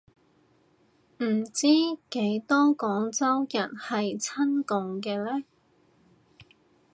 唔知幾多廣州人係親共嘅呢